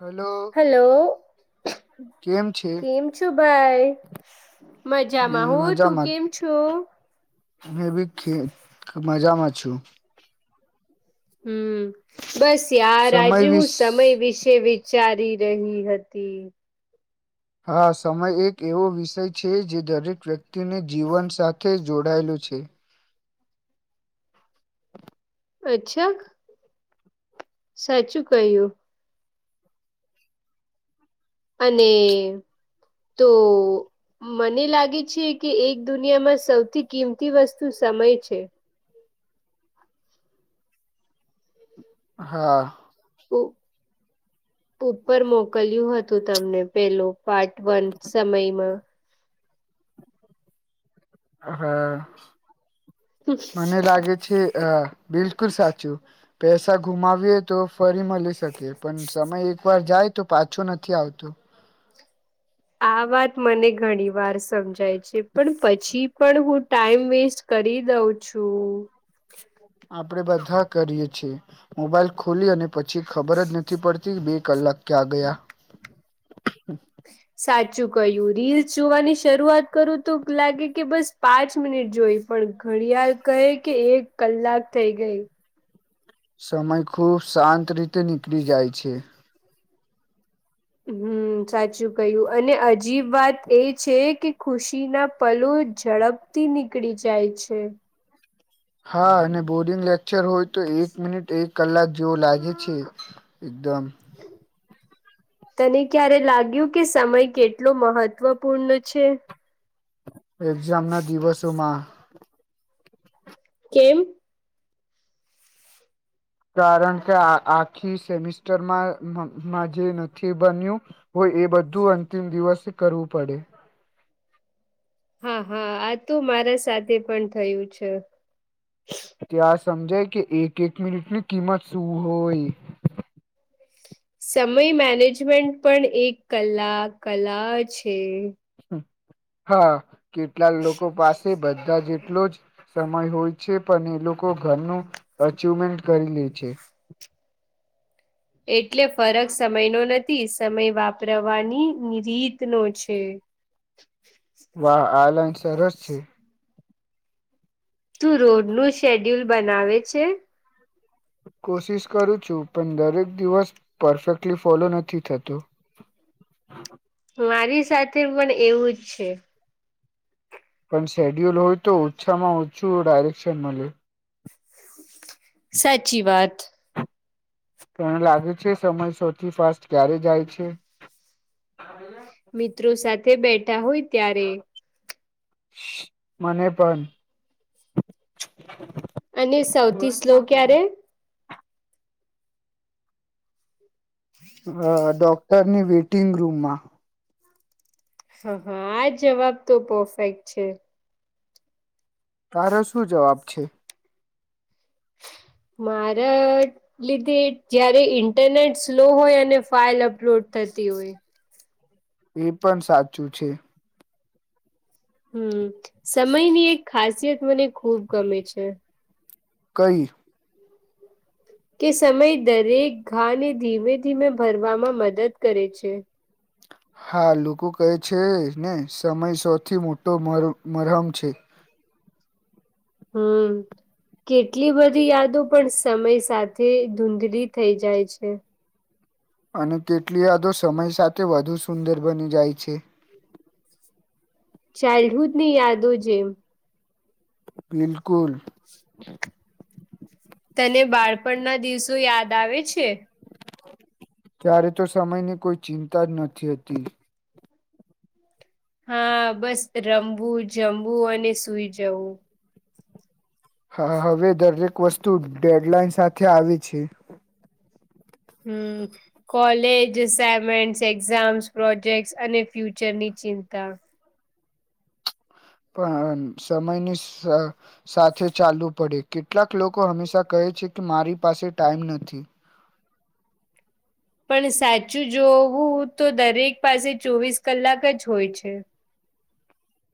Hello hello. કેમ છે કેમ છો ભાઈ? મે મજામાં હું. તું કેમ છું? મેં ભી ખે મજામાં છું. હમ્મ, બસ યાર સમય આજે હું વિસ સમય વિશે વિ ચારી રહી હતી. હા સમય એક એવો વિષય છે જે દરેક વ્યક્તિને જીવન સાથે જોડાયેલો છે. અચ્છા? સાચું ક્યું. અને, તો મને લાગે છે કે એક દુનિયામાં સૌથી કિંમતી વસ્તુ સમય છે. હા. ઓ! ઉપર મોકલ્યું હતું તમને પેલો પાર્ટ વન સમયમાં. હા, મને લાગે છે અહ બિલકુલ સાચું. પૈસા ગુમાવીએ તો ફરી મલી શકે પણ સમય એક વાર જાય તો પાછું નથી આવતું. આ વાત મને ઘણી વાર સમજાય છે પણ પછી પણ હું ટાઈમ વેસ્ટ કરી દઉં છું. આપડે બધા કરીએ છીએ મોબાઈલ ખોલી અને પછી ખબર જ નથી પડ થી બે કલાક ક્યાં ગયા. હમ્મ. સાચું કહ્યું રીલ્સ જોવાની શરૂઆત કરું તો લાગે કે બસ પાંચ મિનિટ જોઈ પણ ઘડિયાળ કહે કે એક કલાક થઇ ગઈ. સમય ખૂબ શાંત રીતે નીકળી જાય છે. હમ્મ. સાચું કયું અને અજીબ વાત એ છે કે ખુશી ના પલો ઝડપ તી નીકળી જાય છે. હા અને બોર્ડિંગ લેક્ચર હોય તો એક મિનિટ એક કલાક જેવો લાગે છે એકદમ. [inaudible] તને ક્યારે લાગ્યું કે સમય કેટલો મહત્વપૂર્ણ છે? એક્ઝામ ના દિવસોમાં. કેમ? કારણ કે આ આખી સેમિસ્ટરમાં મ માં જે નથી બન્યું હોય એ બધું અંતિમ દિવસે કરવું પડે. હા હા આ તો મારા સાથે પણ થયું છે. ત્યાં સમજાય કે એક એક મિનિટની કિંમત શું હોય. સમય મેનેજમેન્ટ પણ એક કલા કલા છે. હા કેટલા લોકો પાસે બધા જેટલો જ સમય હોય છે પણ એ લોકો ઘરનું અચવમેન્ટ કરી લે છે. એટલે ફરક સમય નો ન થી સમય વાપરવાની રીતનો છે. વાહ આ લાઈન સરસ છે. તું રોડ નું શેડ્યુલ બનાવે છે? કોશિશ કરું છું પણ દરેક દિવસ પરફેક્ટલી ફોલો નથી થતું. મારી સાથે પણ એવું જ છે. પણ શેડ્યુલ હોય તો ઓછામાં ઓછું ડાયરેક્શન મલે. સાચી વાત. તને લાગે છે સમય સૌથી ફાસ્ટ ક્યારે જાય છે? મિત્રો સાથે બેઠા હોય ત્યારે. મને પણ. અને સૌથી સ્લો ક્યારે? અહ ડોક્ટરની વેટિંગ રૂમમાં. હા હા આ જવાબ તો પરફેક્ટ છે. તારો શું જવાબ છે? મારે લીધે જયારે ઇન્ટરનેટ સ્લો હોય અને ફાઇલ અપલોડ થતી હોય. એ પણ સાચું છે. હમ્મ, સમયની એક ખાસિયત મને ખુબ ગમે છે. કઈ? કે સમય દરેક ઘા ને ધીમે ધીમે ભરવામાં મદદ કરે છે. હા લોકો કહે છે ને સમય સૌથી મોટો મર મરહમ છે. હમમ. કેટલી બધી યાદો પણ સમય સાથે ધૂંધલી થઈ જાય છે. અને કેટલી યાદો સમય સાથે વધુ સુંદર બની જાય છે. ચાઇલ્ડહુડ ની યાદો જેમ. બિલકુલ. તને બાળપણ ના દિવસો યાદ આવે છે. ત્યારે તો સમયની કોઈ ચિંતા જ નથી હોતી. હા બસ, રમવું, જમવું અને સુઈ જવું. હા હવે દરેક વસ્તુ ડેડલાઇન સાથે આવે છે. હમમ. કોલેજ, અસાઇમેન્ટ, એક્ઝામ્સ, પ્રોજેક્ટસ અને ફ્યુચરની ચિંતા. પણ આમ સમયનો સદ સાથે ચાલવુ પડે કેટલાક લોકો હંમેશા કહે છે કે મારી પાસે ટાઈમ નથી. પણ સાચું જોવું તો દરેક પાસે ચોવીસ કલાક જ હોય છે.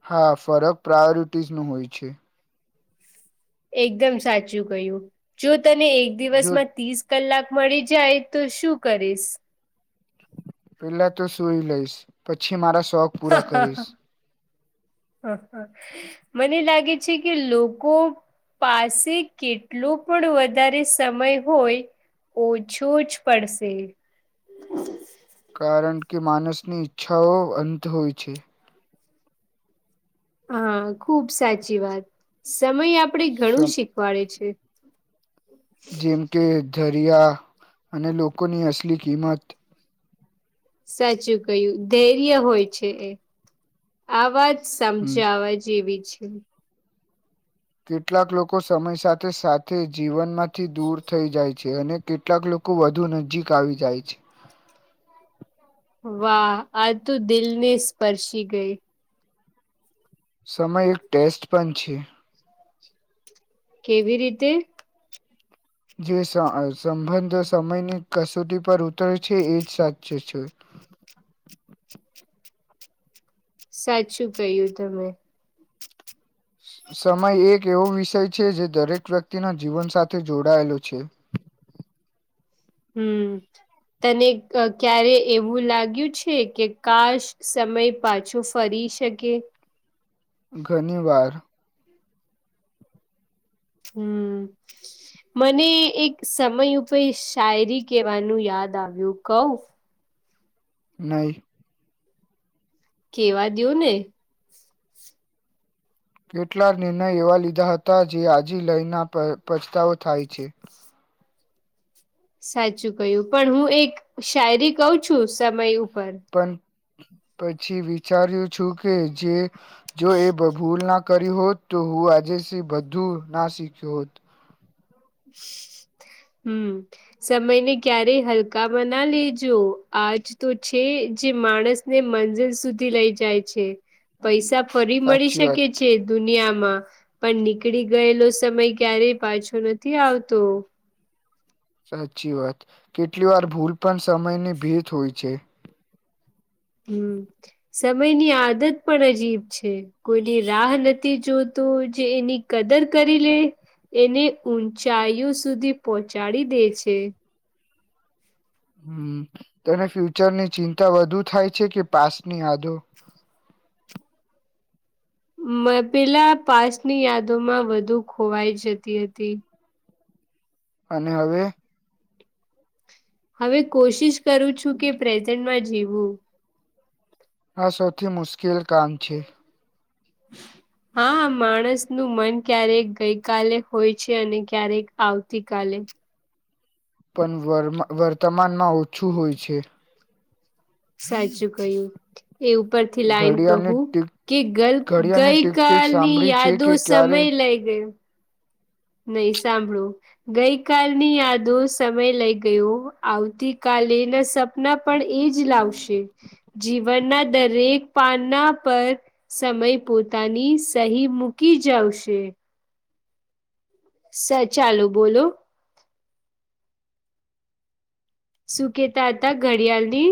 હા ફરક પ્રાયોરિટીઝ ની હોય છે. એકદમ સાચું કહ્યું. જો તને એક જો દિવસમાં ત્રીસ કલાક મળી જાય તો શું કરીશ? પેલા તો સુઈ લઈશ પછી મારા શોખ હા પૂરા હા કરીશ. હા હા. મને લાગે છે કે લોકો પાસે કેટલું પણ વધારે સમય હોય. ઓછો જ પડશે. કારણ કે માનસની ઈચ્છાઓ અંત હોય છે. હા ખુબ સાચી વાત સમય આપડે ઘણું સમ શીખવાડે છે. જેમ કે દરિયા અને લોકોની અસલી કિંમત સાચું કહ્યું ધૈર્ય હોય છે એ આવાજ હમ સમજાવવા જેવી છે. કેટલાક લોકો સમય સાથે સાથે જીવનમાંથી દૂર થઈ જાય છે અને કેટલાક લોકો વધુ નજીક આવી જાય છે. વાહ આ તો દિલ ને સ્પર્શી ગઈ. સમય એક ટેસ્ટ પણ છે. કેવી રીતે? જે અ સંબંધો સમયની કસોટી પર ઉતરે છે એજ સાચૂ છે. સાચું કહ્યું તમે. સમય એક એવો વિષય છે જે દરેક વ્યક્તિના જીવન સાથે જોડાયેલો છે. હમમ તને ક્યારે એવું લાગ્યું છે કે કાશ સમય પાછો ફરી શકે. ઘણીવાર હમમ. મને એક સમય ઉપર શાયરી કેવાનું યાદ આવ્યું કવ. નય. કેવા દોને કેટલાક નિર્ણય એવા લીધા હતા જે આજે લઈના પછતાવો થાય છે. સાચું કહ્યું પણ હું એક શાયરી કઉ છું સમય ઉપર પણ પછી વિચાર્યું છું કે જે જો એ ભભૂ ભૂલ ના કરી હોત તો હું આજે બધું ના શીખ્યો હોત. હમમ. સમયને ક્યારે હલકામાં ના લેજો આજ તો છે જે માણસ ને મંઝીલ સુધી લઈ જાય છે પૈસા ફરી મળી સાચી શકે વાત છે. દુનિયામાં પણ નીકળી ગયેલો સમય ક્યારેય પાછો નથી આવતો સાચી વાત કેટલી વાર ભૂલ પણ સમયની ભેત હોય છે હમ સમયની આદત પણ અજીબ છે કોઈની રાહ નથી જોતો જે એની કદર કરી લે એને ઊંચાઈઓ સુધી પહોંચાડી દે છે હમ તને ફ્યુચર ની ચિંતા વધુ થાય છે કે પાસ્ટની આદો પેલા પાચની યાદોમાં વધુ ખોવાઈ જતી હતી અને હવે હવે કોશિશ કરું છું કે પ્રેઝન્ટમાં જીવું. આ સૌથી મુશ્કેલ કામ છે. હમ હા માણસ નું મન ક્યારેક ગઈ કલે હોય છે અને ક્યારેક આવતી કલે પણ વ વર્તમાનમાં ઓછું હોય છે સાચું કહું એ ઉપરથી લાઈન ઘડિયાળની કહું ટીક કે ગ ઘડિયાળની ગઈ ટીક ટીક કલની સાંભળી છે યાદો કે સમય ક્યારે લઈ ગયો નહી સાંભળું ગઈ કલની યાદો સમય લઈ ગયો આવતી કલે પણ એ જ લાવશે જીવનના દરેક પાના પર સમય પોતાની સહી મૂકી જાવશે સ ચાલુ બોલો શું કેતા હતા ઘડિયાળની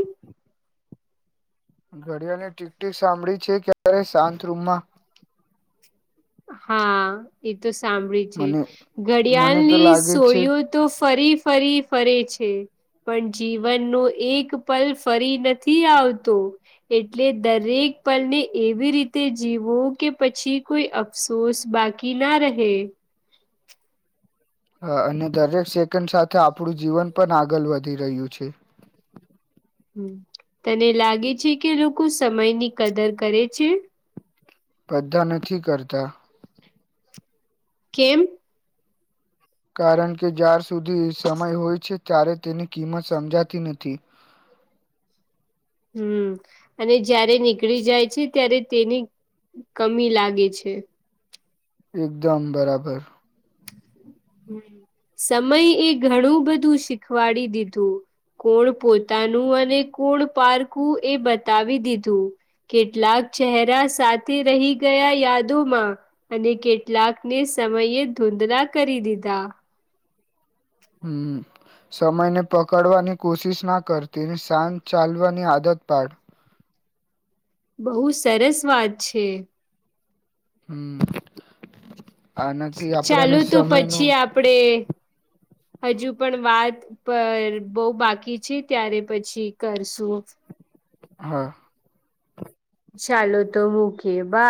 ઘડિયાને ટીક ટીક સાંભળી છે ક્યારે શાંત રૂમમાં હા એ તો સાંભળી છે મને મને તો ઘડિયાળની લાગે સો છે તો ફરી ફરી ફરે છે. પણ જીવનનો એ પલ ફરી નથી આવતો. એટલે દરેક પલને એવી રીતે જીવો કે પછી કોઈ અફસોસ બાકી ના રહે. હ અને દરેક સેકન્ડ સાથે આપણું જીવન પણ આગળ વધી રહ્યું છે. હમ તને લાગે છે કે લોકો સમયની કદર કરે છે. બધા નથી કરતા. કેમ? કારણ કે જ્યાર સુધી સમય હોય છે ત્યારે તેની કિંમત સમજાતી નથી. હમ અને જય્યારે નીકળી જાય છે ત્યારે તેની કમી લાગે છે. એકદમ બરાબર. હમ સમય એ ઘણું બધું શીખવાડી દીધું. કોણ પોતાનું અને કોણ પારકું એ બતાવી દીધું. કેટલાક ચહેરા સાથે રહી ગયા યાદોમાં. અને કેટલાકને સમયે ધૂંધલા કરી દીધા. હમ. સમયને પકડવાની કોશિશ ના કરતીને સાથે ચાલવાની આદત પાડ. બહુ સરસ વાત છે. હમ આનાથી આપડાને સમય ન આપણેે હજુ પણ વાત પર બહુ બાકી છે ત્યારે પછી કરશું? હા. ચાલો તો મૂકીએ બાય.